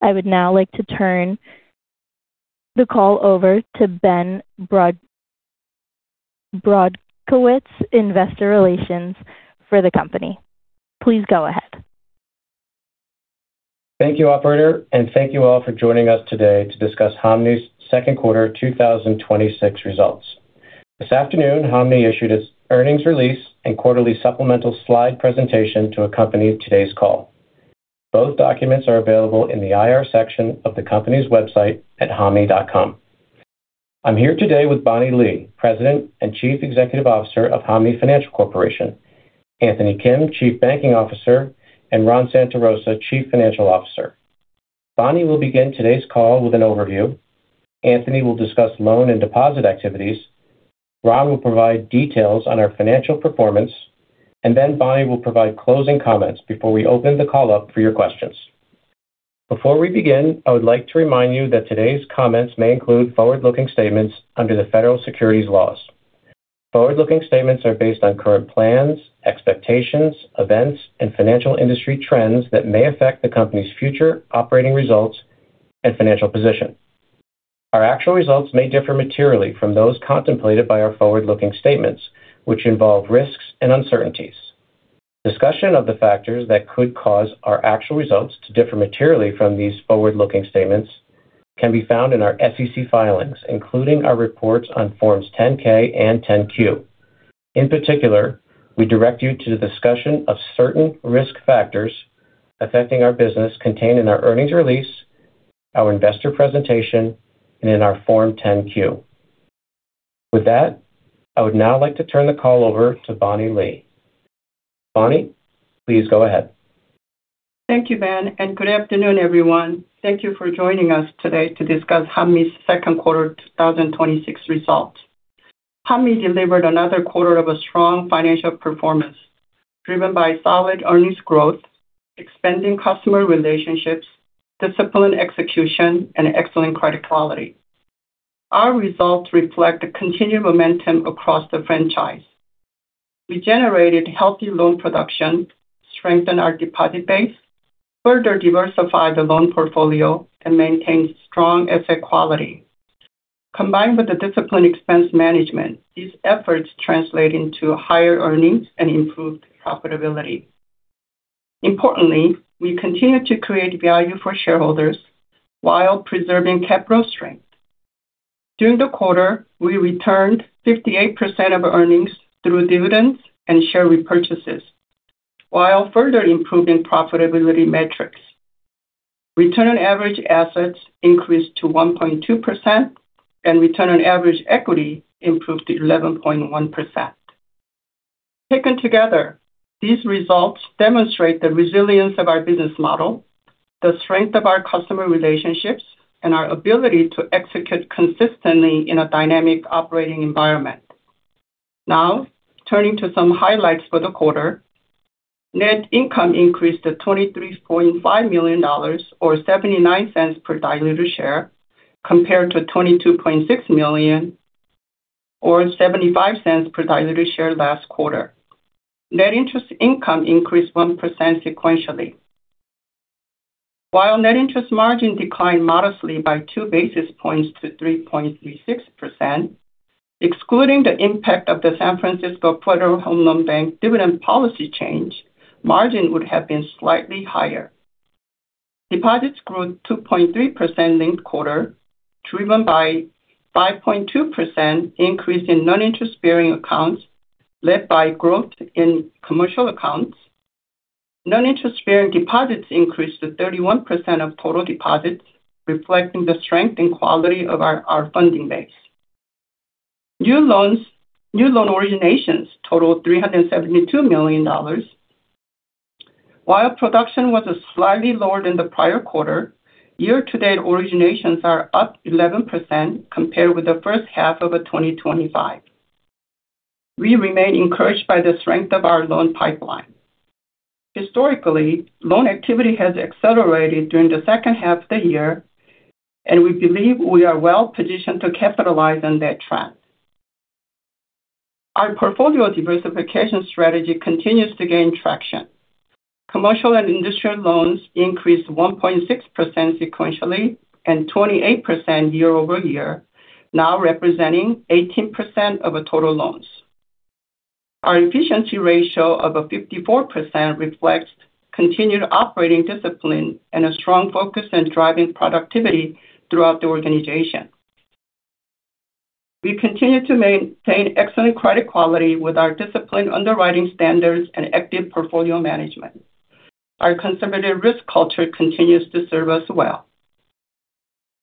I would now like to turn the call over to Ben Brodkowitz, investor relations for the company. Please go ahead. Thank you, operator, and thank you all for joining us today to discuss Hanmi's second quarter 2026 results. This afternoon, Hanmi issued its earnings release and quarterly supplemental slide presentation to accompany today's call. Both documents are available in the IR section of the company's website at hanmi.com. I am here today with Bonnie Lee, President and Chief Executive Officer of Hanmi Financial Corporation, Anthony Kim, Chief Banking Officer, and Ron Santarosa, Chief Financial Officer. Bonnie will begin today's call with an overview, Anthony will discuss loan and deposit activities, Ron will provide details on our financial performance, and Bonnie will provide closing comments before we open the call up for your questions. Before we begin, I would like to remind you that today's comments may include forward-looking statements under the Federal Securities laws. Forward-looking statements are based on current plans, expectations, events, and financial industry trends that may affect the company's future operating results and financial position. Our actual results may differ materially from those contemplated by our forward-looking statements, which involve risks and uncertainties. Discussion of the factors that could cause our actual results to differ materially from these forward-looking statements can be found in our SEC filings, including our reports on Forms 10-K and 10-Q. In particular, we direct you to the discussion of certain risk factors affecting our business contained in our earnings release, our investor presentation, and in our Form 10-Q. With that, I would now like to turn the call over to Bonnie Lee. Bonnie, please go ahead. Thank you, Ben, and good afternoon, everyone. Thank you for joining us today to discuss Hanmi's second quarter 2026 results. Hanmi delivered another quarter of a strong financial performance driven by solid earnings growth, expanding customer relationships, disciplined execution, and excellent credit quality. Our results reflect the continued momentum across the franchise. We generated healthy loan production, strengthened our deposit base, further diversified the loan portfolio, and maintained strong asset quality. Combined with the disciplined expense management, these efforts translate into higher earnings and improved profitability. Importantly, we continue to create value for shareholders while preserving capital strength. During the quarter, we returned 58% of earnings through dividends and share repurchases while further improving profitability metrics. Return on average assets increased to 1.2%, and return on average equity improved to 11.1%. Taken together, these results demonstrate the resilience of our business model, the strength of our customer relationships, and our ability to execute consistently in a dynamic operating environment. Turning to some highlights for the quarter. Net income increased to $23.5 million, or $0.79 per diluted share, compared to $22.6 million or $0.75 per diluted share last quarter. Net interest income increased 1% sequentially. While net interest margin declined modestly by two basis points to 3.36%, excluding the impact of the Federal Home Loan Bank of San Francisco dividend policy change, margin would have been slightly higher. Deposits grew 2.3% linked quarter, driven by 5.2% increase in non-interest-bearing accounts, led by growth in commercial accounts. Non-interest-bearing deposits increased to 31% of total deposits, reflecting the strength and quality of our funding base. New loan originations totaled $372 million. While production was slightly lower than the prior quarter, year-to-date originations are up 11% compared with the first half of 2025. We remain encouraged by the strength of our loan pipeline. Historically, loan activity has accelerated during the second half of the year, and we believe we are well positioned to capitalize on that trend. Our portfolio diversification strategy continues to gain traction. Commercial and industrial loans increased 1.6% sequentially and 28% year-over-year, now representing 18% of total loans. Our efficiency ratio of 54% reflects continued operating discipline and a strong focus on driving productivity throughout the organization. We continue to maintain excellent credit quality with our disciplined underwriting standards and active portfolio management. Our conservative risk culture continues to serve us well.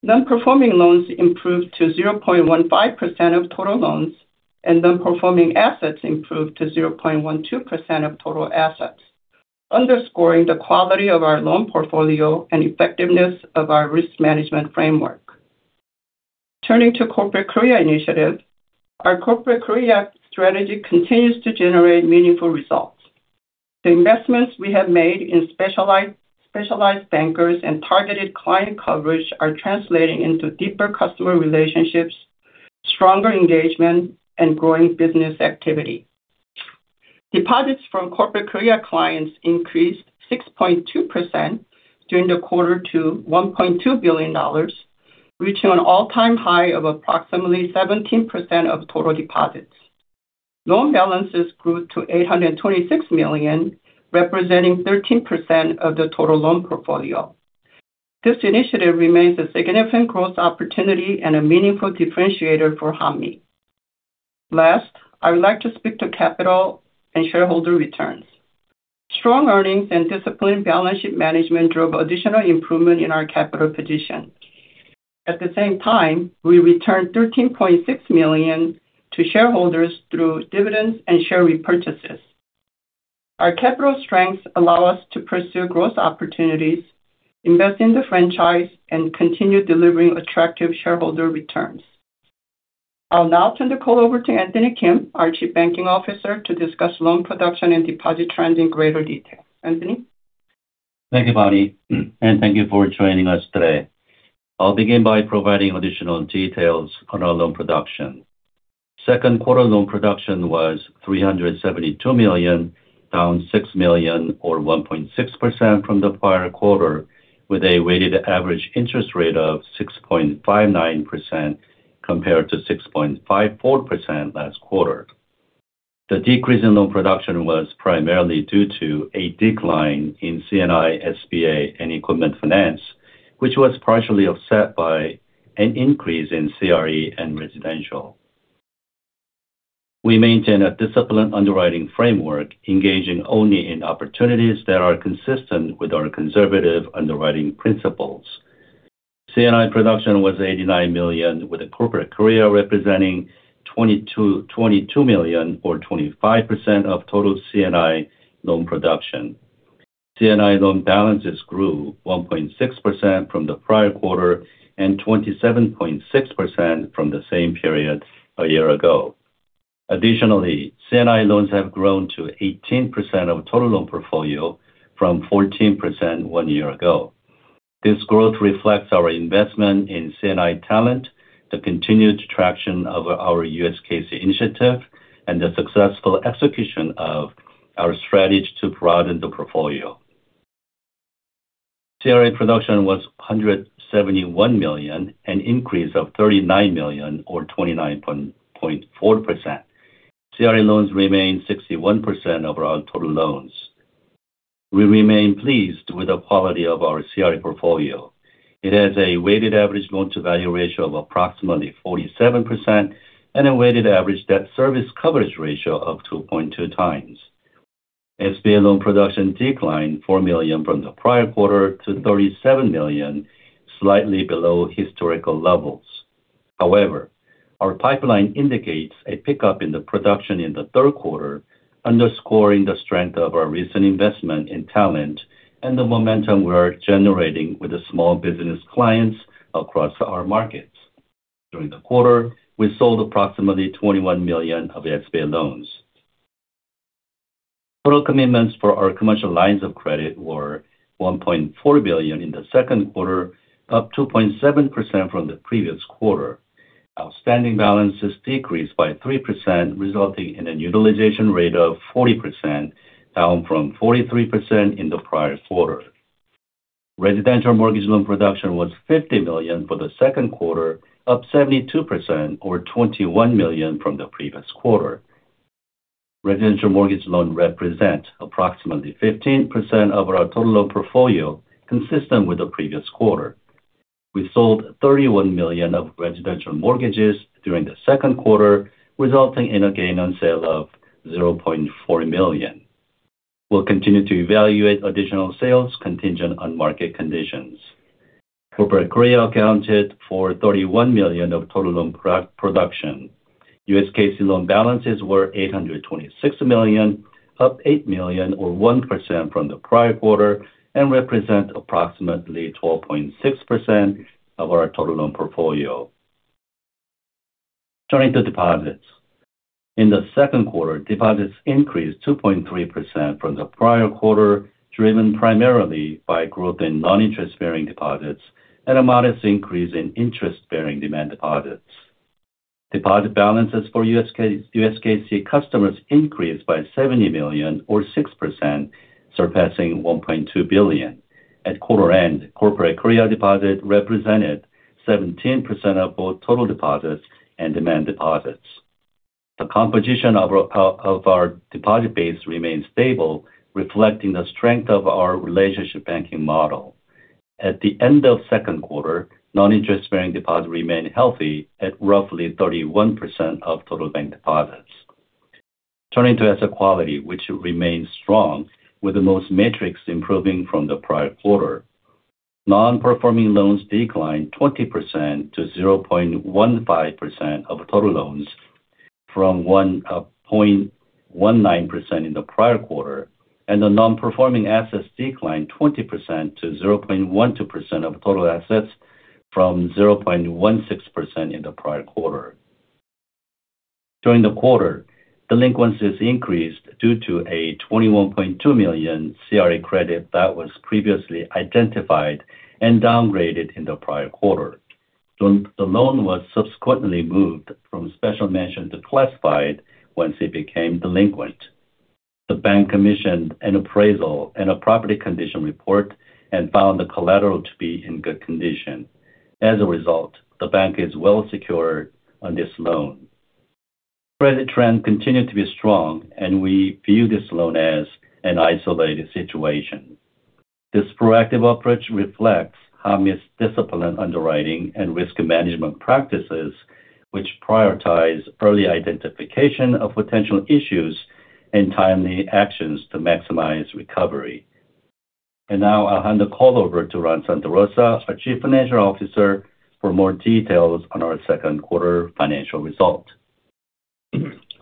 Non-performing loans improved to 0.15% of total loans, and non-performing assets improved to 0.12% of total assets, underscoring the quality of our loan portfolio and effectiveness of our risk management framework. Turning to Corporate Korea initiative. Our Corporate Korea strategy continues to generate meaningful results. The investments we have made in specialized bankers and targeted client coverage are translating into deeper customer relationships, stronger engagement, and growing business activity. Deposits from Corporate Korea clients increased 6.2% during the quarter to $1.2 billion, reaching an all-time high of approximately 17% of total deposits. Loan balances grew to $826 million, representing 13% of the total loan portfolio. This initiative remains a significant growth opportunity and a meaningful differentiator for Hanmi. Last, I would like to speak to capital and shareholder returns. Strong earnings and disciplined balance sheet management drove additional improvement in our capital position. At the same time, we returned $13.6 million to shareholders through dividends and share repurchases. Our capital strengths allow us to pursue growth opportunities, invest in the franchise, and continue delivering attractive shareholder returns. I'll now turn the call over to Anthony Kim, our Chief Banking Officer, to discuss loan production and deposit trends in greater detail. Anthony? Thank you, Bonnie, and thank you for joining us today. I'll begin by providing additional details on our loan production. Second quarter loan production was $372 million, down $6 million or 1.6% from the prior quarter, with a weighted average interest rate of 6.59% compared to 6.54% last quarter. The decrease in loan production was primarily due to a decline in C&I, SBA, and equipment finance, which was partially offset by an increase in CRE and residential. We maintain a disciplined underwriting framework, engaging only in opportunities that are consistent with our conservative underwriting principles. C&I production was $89 million, with Corporate Korea representing $22 million, or 25% of total C&I loan production. C&I loan balances grew 1.6% from the prior quarter and 27.6% from the same period a year ago. Additionally, C&I loans have grown to 18% of total loan portfolio from 14% one year ago. This growth reflects our investment in C&I talent, the continued traction of our US KC initiative, and the successful execution of our strategy to broaden the portfolio. CRE production was $171 million, an increase of $39 million, or 29.4%. CRE loans remain 61% of our total loans. We remain pleased with the quality of our CRE portfolio. It has a weighted average loan-to-value ratio of approximately 47% and a weighted average debt service coverage ratio of 2.2 times. SBA loan production declined $4 million from the prior quarter to $37 million, slightly below historical levels. Our pipeline indicates a pickup in the production in the third quarter, underscoring the strength of our recent investment in talent and the momentum we are generating with the small business clients across our markets. During the quarter, we sold approximately $21 million of SBA loans. Total commitments for our commercial lines of credit were $1.4 billion in the second quarter, up 2.7% from the previous quarter. Outstanding balances decreased by 3%, resulting in an utilization rate of 40%, down from 43% in the prior quarter. Residential mortgage loan production was $50 million for the second quarter, up 72%, or $21 million from the previous quarter. Residential mortgage loan represents approximately 15% of our total loan portfolio, consistent with the previous quarter. We sold $31 million of residential mortgages during the second quarter, resulting in a gain on sale of $0.4 million. We'll continue to evaluate additional sales contingent on market conditions. Corporate Korea accounted for $31 million of total loan production. US KC loan balances were $826 million, up $8 million or 1% from the prior quarter, and represent approximately 12.6% of our total loan portfolio. Turning to deposits. In the second quarter, deposits increased 2.3% from the prior quarter, driven primarily by growth in non-interest bearing deposits and a modest increase in interest bearing demand deposits. Deposit balances for US KC customers increased by $70 million or 6%, surpassing $1.2 billion. At quarter end, Corporate Korea deposit represented 17% of both total deposits and demand deposits. The composition of our deposit base remains stable, reflecting the strength of our relationship banking model. At the end of second quarter, non-interest bearing deposits remained healthy at roughly 31% of total bank deposits. Turning to asset quality, which remains strong, with the most metrics improving from the prior quarter. Non-performing loans declined 20% to 0.15% of total loans from 0.19% in the prior quarter, and the non-performing assets declined 20% to 0.12% of total assets from 0.16% in the prior quarter. During the quarter, delinquencies increased due to a $21.2 million CRE credit that was previously identified and downgraded in the prior quarter. The loan was subsequently moved from special mention to classified once it became delinquent. The bank commissioned an appraisal and a property condition report and found the collateral to be in good condition. As a result, the bank is well-secured on this loan. Credit trends continue to be strong, and we view this loan as an isolated situation. This proactive approach reflects Hanmi's disciplined underwriting and risk management practices, which prioritize early identification of potential issues and timely actions to maximize recovery. Now I'll hand the call over to Ron Santarosa, our Chief Financial Officer, for more details on our second quarter financial result.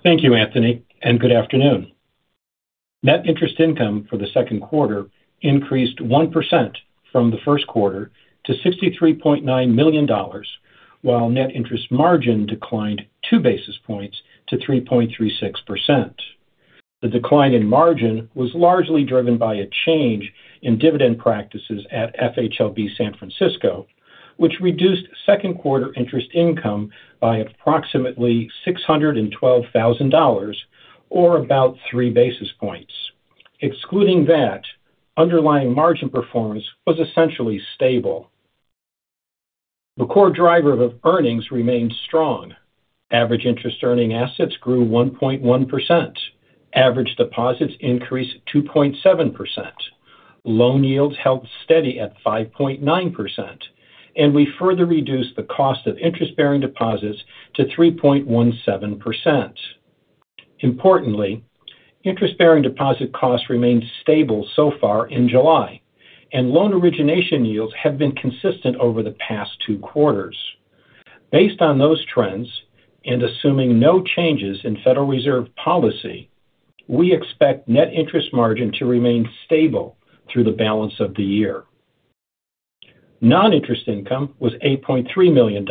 Thank you, Anthony, and good afternoon. Net interest income for the second quarter increased 1% from the first quarter to $63.9 million, while net interest margin declined two basis points to 3.36%. The decline in margin was largely driven by a change in dividend practices at FHLBank San Francisco, which reduced second quarter interest income by approximately $612,000, or about three basis points. Excluding that, underlying margin performance was essentially stable. The core driver of earnings remained strong. Average interest-earning assets grew 1.1%. Average deposits increased 2.7%. Loan yields held steady at 5.9%, and we further reduced the cost of interest-bearing deposits to 3.17%. Importantly, interest-bearing deposit costs remained stable so far in July, and loan origination yields have been consistent over the past two quarters. Based on those trends, assuming no changes in Federal Reserve policy, we expect net interest margin to remain stable through the balance of the year. Non-interest income was $8.3 million.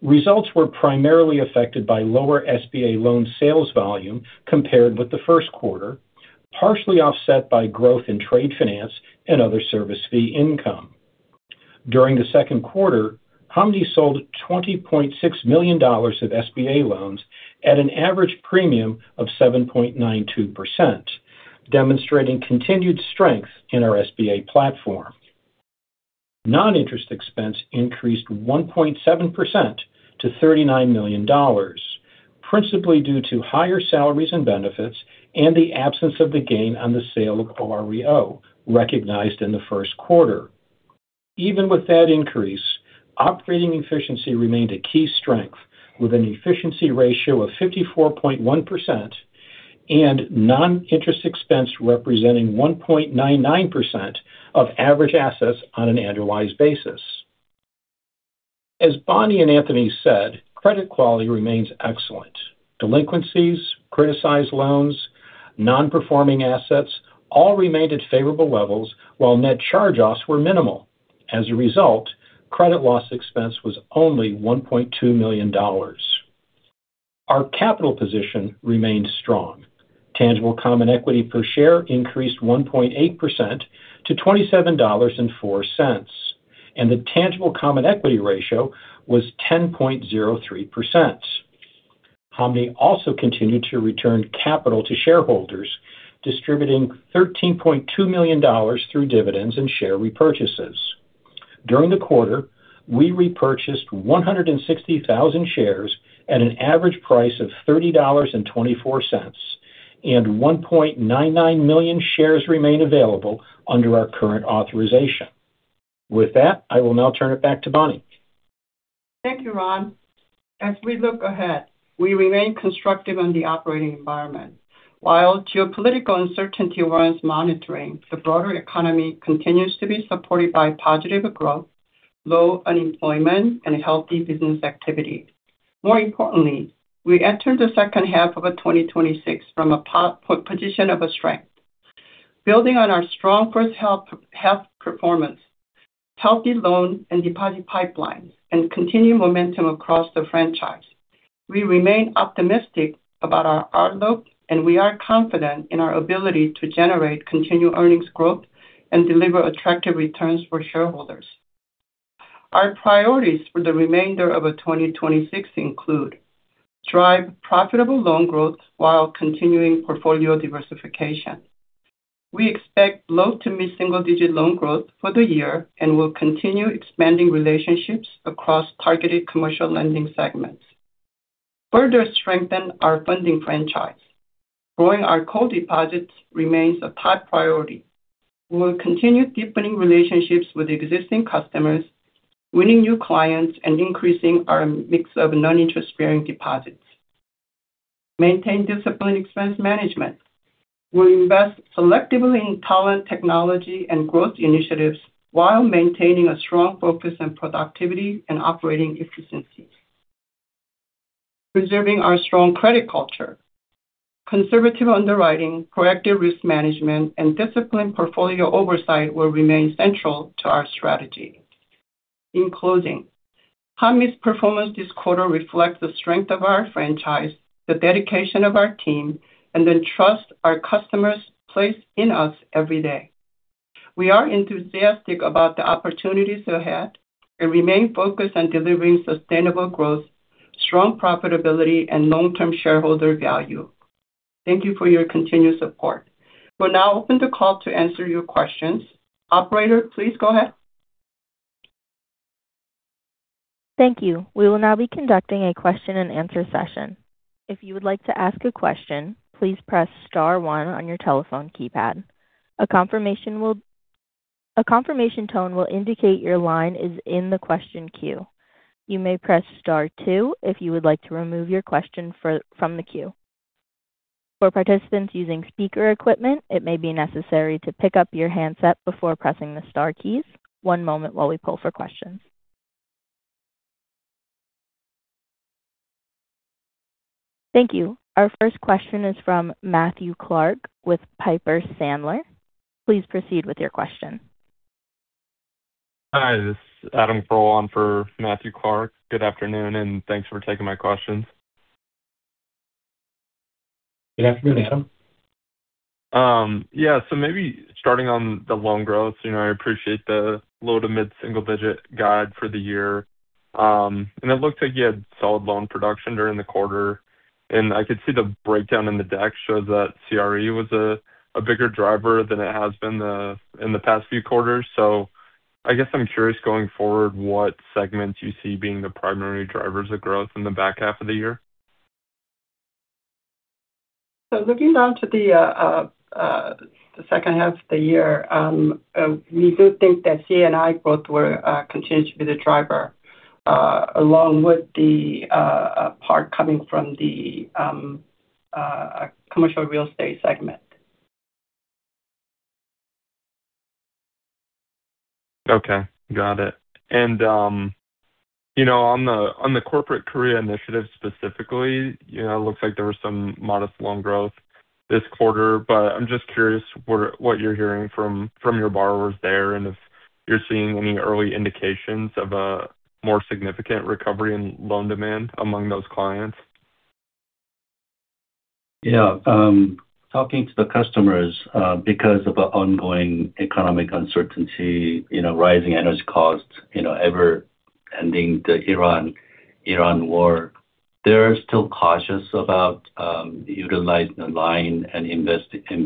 Results were primarily affected by lower SBA loan sales volume compared with the first quarter, partially offset by growth in trade finance and other service fee income. During the second quarter, Hanmi sold $20.6 million of SBA loans at an average premium of 7.92%, demonstrating continued strength in our SBA platform. Non-interest expense increased 1.7% to $39 million, principally due to higher salaries and benefits and the absence of the gain on the sale of OREO recognized in the first quarter. Even with that increase, operating efficiency remained a key strength with an efficiency ratio of 54.1% and non-interest expense representing 1.99% of average assets on an annualized basis. As Bonnie and Anthony said, credit quality remains excellent. Delinquencies, criticized loans, non-performing assets all remained at favorable levels while net charge-offs were minimal. As a result, credit loss expense was only $1.2 million. Our capital position remained strong. Tangible common equity per share increased 1.8% to $27.04, and the tangible common equity ratio was 10.03%. Hanmi also continued to return capital to shareholders, distributing $13.2 million through dividends and share repurchases. During the quarter, we repurchased 160,000 shares at an average price of $30.24 and 1.99 million shares remain available under our current authorization. With that, I will now turn it back to Bonnie. Thank you, Ron. As we look ahead, we remain constructive on the operating environment. While geopolitical uncertainty warrants monitoring, the broader economy continues to be supported by positive growth, low unemployment, and healthy business activity. More importantly, we enter the second half of 2026 from a position of strength. Building on our strong first half performance, healthy loan and deposit pipelines, and continued momentum across the franchise, we remain optimistic about our outlook, and we are confident in our ability to generate continued earnings growth and deliver attractive returns for shareholders. Our priorities for the remainder of 2026 include drive profitable loan growth while continuing portfolio diversification. We expect low to mid-single digit loan growth for the year and will continue expanding relationships across targeted commercial lending segments. Further strengthen our funding franchise. Growing our core deposits remains a top priority. We will continue deepening relationships with existing customers, winning new clients, and increasing our mix of non-interest-bearing deposits. Maintain disciplined expense management. We'll invest selectively in talent, technology, and growth initiatives while maintaining a strong focus on productivity and operating efficiency. Preserving our strong credit culture. Conservative underwriting, proactive risk management, and disciplined portfolio oversight will remain central to our strategy. In closing, Hanmi's performance this quarter reflects the strength of our franchise, the dedication of our team, and the trust our customers place in us every day. We are enthusiastic about the opportunities ahead and remain focused on delivering sustainable growth, strong profitability, and long-term shareholder value. Thank you for your continued support. We'll now open the call to answer your questions. Operator, please go ahead. Thank you. We will now be conducting a question and answer session. If you would like to ask a question, please press star one on your telephone keypad. A confirmation tone will indicate your line is in the question queue. You may press star two if you would like to remove your question from the queue. For participants using speaker equipment, it may be necessary to pick up your handset before pressing the star keys. One moment while we pull for questions. Thank you. Our first question is from Matthew Clark with Piper Sandler. Please proceed with your question. Hi, this is Adam Crowell in for Matthew Clark. Good afternoon, thanks for taking my questions. Good afternoon, Adam. Yeah. Maybe starting on the loan growth. I appreciate the low to mid-single digit guide for the year. It looked like you had solid loan production during the quarter, I could see the breakdown in the deck showed that CRE was a bigger driver than it has been in the past few quarters. I guess I'm curious, going forward, what segments you see being the primary drivers of growth in the back half of the year. Looking down to the second half of the year, we do think that C&I growth will continue to be the driver, along with the part coming from the commercial real estate segment. Got it. On the Corporate Korea initiative specifically, it looks like there was some modest loan growth this quarter, but I'm just curious what you're hearing from your borrowers there, and if you're seeing any early indications of a more significant recovery in loan demand among those clients. Yeah. Talking to the customers, because of the ongoing economic uncertainty, rising energy costs, never-ending the Iran war, they're still cautious about utilizing the line and invest in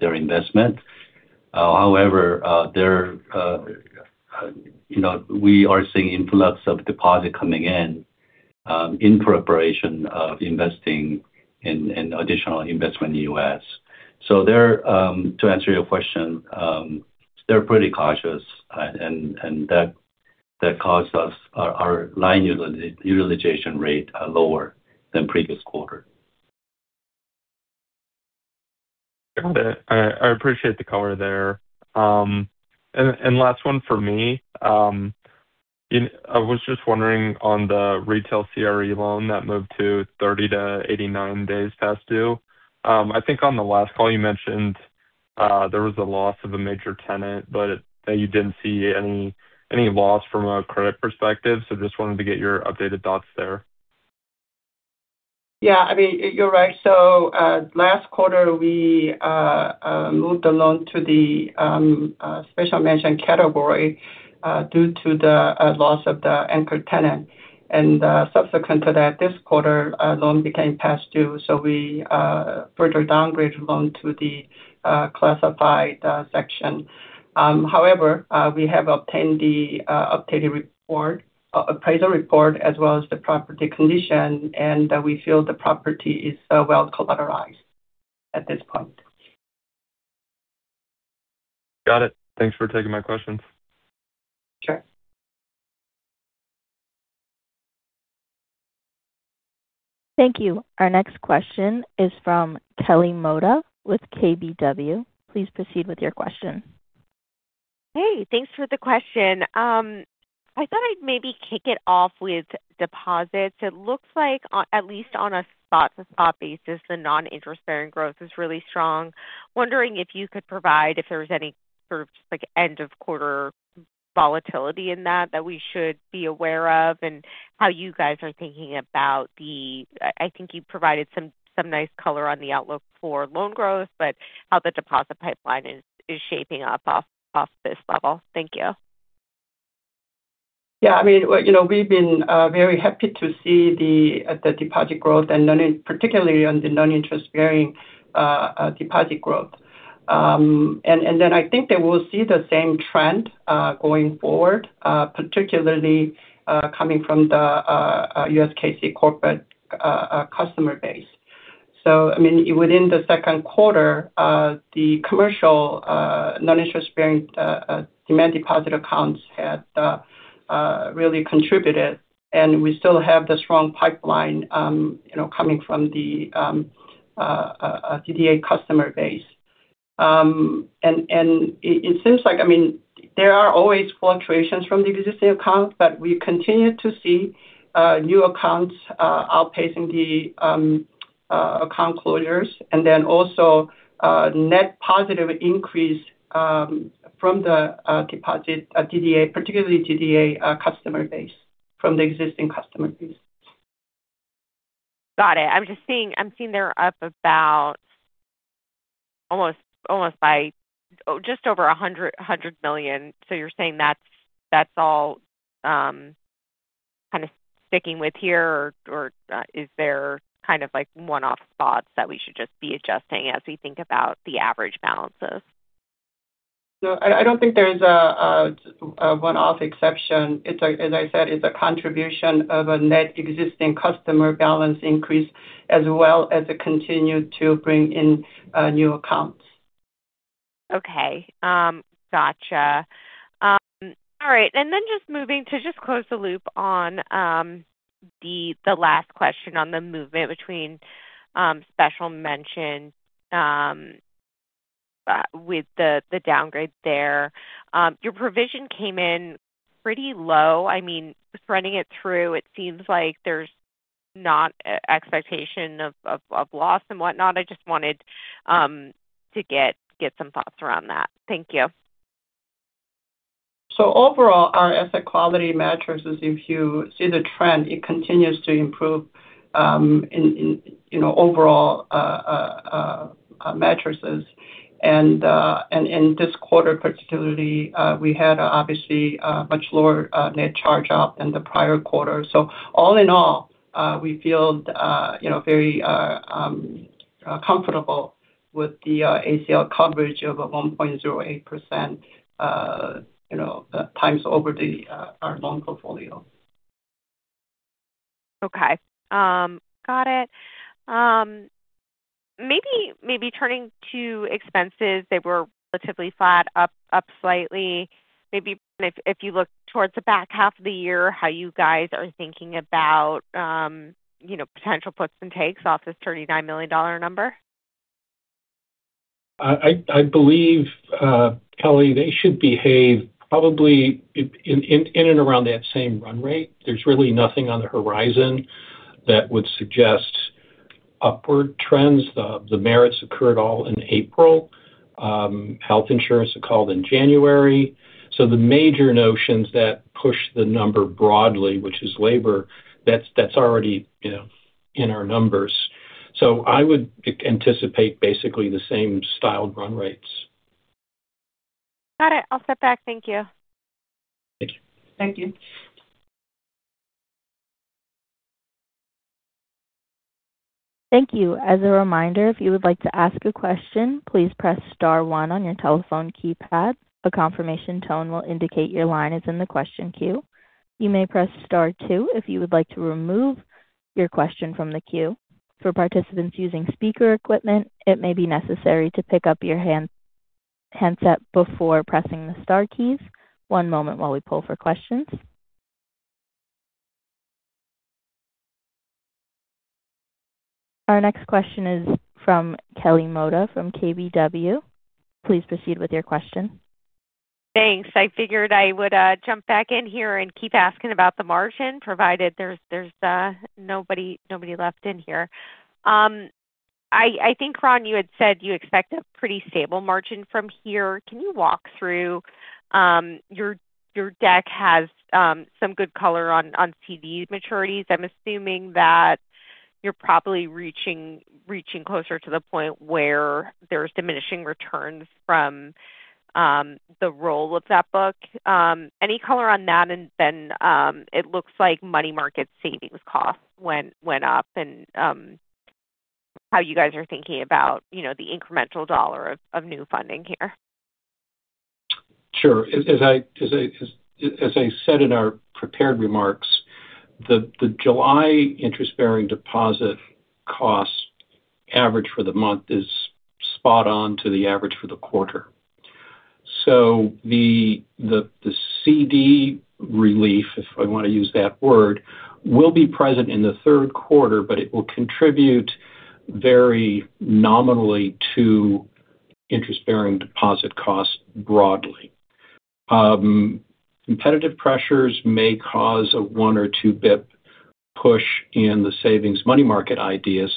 their investment. However, we are seeing influx of deposit coming in preparation of investing in additional investment in the U.S. To answer your question, they're pretty cautious, and that caused our line utilization rate lower than previous quarter. Got it. I appreciate the color there. Last one from me. I was just wondering on the retail CRE loan that moved to 30-89 days past due. I think on the last call you mentioned there was a loss of a major tenant, but that you didn't see any loss from a credit perspective. Just wanted to get your updated thoughts there. Yeah, you're right. Last quarter, we moved the loan to the special mention category due to the loss of the anchor tenant. Subsequent to that, this quarter, our loan became past due, so we further downgraded loan to the classified section. However, we have obtained the appraisal report as well as the property condition, and we feel the property is well collateralized at this point. Got it. Thanks for taking my questions. Sure. Thank you. Our next question is from Kelly Motta with KBW. Please proceed with your question. Hey, thanks for the question. I thought I'd maybe kick it off with deposits. It looks like, at least on a spot-to-spot basis, the non-interest bearing growth is really strong. Wondering if you could provide if there was any sort of just end of quarter volatility in that we should be aware of, and how you guys are thinking about. I think you provided some nice color on the outlook for loan growth, but how the deposit pipeline is shaping up off this level. Thank you. Yeah, we've been very happy to see the deposit growth and particularly on the non-interest bearing deposit growth. I think that we'll see the same trend going forward, particularly coming from the US KC corporate customer base. Within the second quarter, the commercial non-interest bearing demand deposit accounts had really contributed, and we still have the strong pipeline coming from the DDA customer base. It seems like there are always fluctuations from the existing accounts, but we continue to see new accounts outpacing the account closures, and then also a net positive increase from the deposit DDA, particularly DDA customer base from the existing customer base. Got it. I'm seeing they're up about almost by just over $100 million. You're saying that's all kind of sticking with here? Or is there one-off spots that we should just be adjusting as we think about the average balances? No, I don't think there's a one-off exception. As I said, it's a contribution of a net existing customer balance increase as well as it continued to bring in new accounts. Okay. Gotcha. All right, just moving to just close the loop on the last question on the movement between special mention with the downgrade there. Your provision came in pretty low. Running it through, it seems like there's no expectation of loss and whatnot. I just wanted to get some thoughts around that. Thank you. Overall, our asset quality metrics are, if you see the trend, it continues to improve in overall metrics. This quarter particularly, we had obviously a much lower net charge-off than the prior quarter. All in all, we feel very comfortable with the ACL coverage of 1.08% times over our loan portfolio. Okay. Got it. Maybe turning to expenses, they were relatively flat, up slightly. Maybe, Ron, if you look towards the back half of the year, how you guys are thinking about potential puts and takes off this $39 million number. I believe, Kelly, they should behave probably in and around that same run rate. There is really nothing on the horizon that would suggest upward trends. The merits occurred all in April. Health insurance are called in January. The major notions that push the number broadly, which is labor, that is already in our numbers. I would anticipate basically the same style run rates. Got it. I will step back. Thank you. Thank you. Thank you. Thank you. As a reminder, if you would like to ask a question, please press star one on your telephone keypad. A confirmation tone will indicate your line is in the question queue. You may press star two if you would like to remove your question from the queue. For participants using speaker equipment, it may be necessary to pick up your handset before pressing the star keys. One moment while we pull for questions. Our next question is from Kelly Motta from KBW. Please proceed with your question. Thanks. I figured I would jump back in here and keep asking about the margin, provided there's nobody left in here. I think, Ron, you had said you expect a pretty stable margin from here. Can you walk through. Your deck has some good color on CD maturities. I'm assuming that you're probably reaching closer to the point where there's diminishing returns from the roll of that book. Any color on that? It looks like money market savings costs went up, and how you guys are thinking about the incremental dollar of new funding here. Sure. As I said in our prepared remarks, the July interest-bearing deposit costs average for the month is spot on to the average for the quarter. The CD relief, if I want to use that word, will be present in the third quarter, but it will contribute very nominally to interest-bearing deposit costs broadly. Competitive pressures may cause a one or two basis point push in the savings money market area,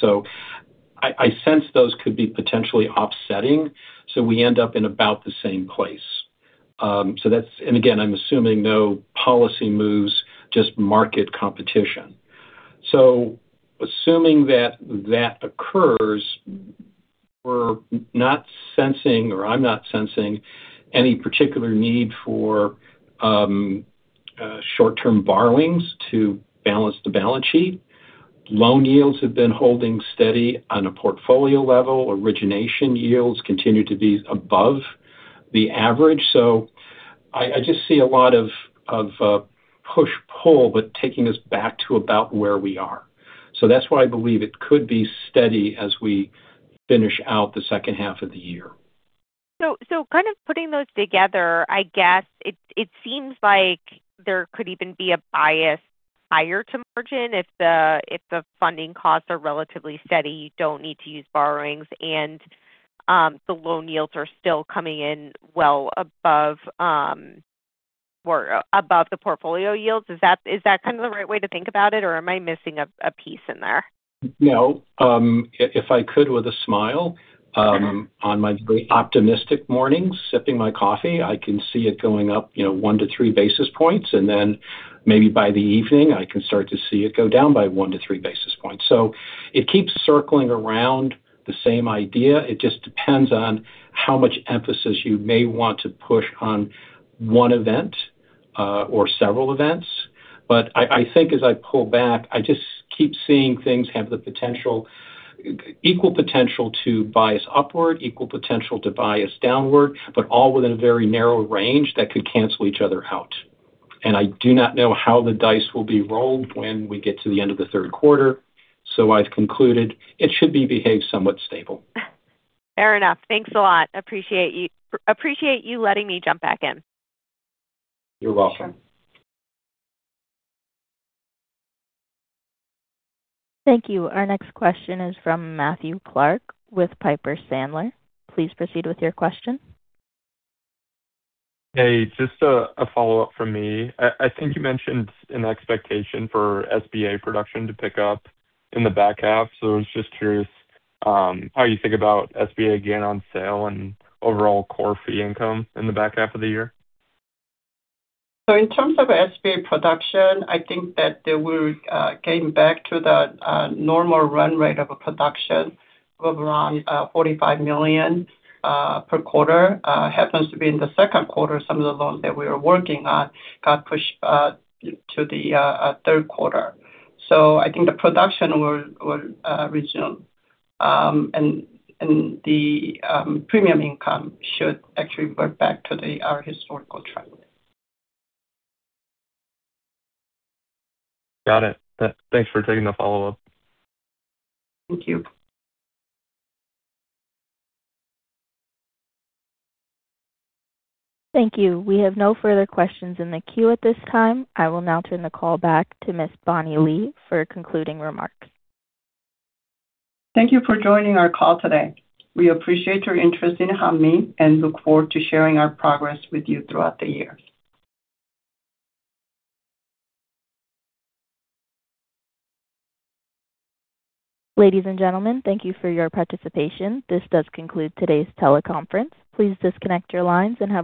I sense those could be potentially offsetting, we end up in about the same place. Again, I'm assuming no policy moves, just market competition. Assuming that that occurs, we're not sensing, or I'm not sensing any particular need for short-term borrowings to balance the balance sheet. Loan yields have been holding steady on a portfolio level. Origination yields continue to be above the average. I just see a lot of push-pull, but taking us back to about where we are. That's why I believe it could be steady as we finish out the second half of the year. Kind of putting those together, I guess it seems like there could even be a bias higher to margin if the funding costs are relatively steady, you don't need to use borrowings, and the loan yields are still coming in well above or above the portfolio yields. Is that kind of the right way to think about it, or am I missing a piece in there? No. If I could, with a smile. Okay. On my optimistic mornings, sipping my coffee, I can see it going up one to three basis points, and then maybe by the evening, I can start to see it go down by one to three basis points. It keeps circling around the same idea. It just depends on how much emphasis you may want to push on one event or several events. I think as I pull back, I just keep seeing things have the equal potential to bias upward, equal potential to bias downward, but all within a very narrow range that could cancel each other out. I do not know how the dice will be rolled when we get to the end of the third quarter. I've concluded it should behave somewhat stable. Fair enough. Thanks a lot. Appreciate you letting me jump back in. You're welcome. Thank you. Our next question is from Matthew Clark with Piper Sandler. Please proceed with your question. Hey, just a follow-up from me. I think you mentioned an expectation for SBA production to pick up in the back half. I was just curious how you think about SBA gain on sale and overall core fee income in the back half of the year. In terms of SBA production, I think that they will came back to the normal run rate of production of around $45 million per quarter. Happens to be in the second quarter, some of the loans that we are working on got pushed to the third quarter. I think the production will resume. The premium income should actually go back to our historical trend. Got it. Thanks for taking the follow-up. Thank you. Thank you. We have no further questions in the queue at this time. I will now turn the call back to Ms. Bonnie Lee for concluding remarks. Thank you for joining our call today. We appreciate your interest in Hanmi and look forward to sharing our progress with you throughout the year. Ladies and gentlemen, thank you for your participation. This does conclude today's teleconference. Please disconnect your lines and have a wonderful day.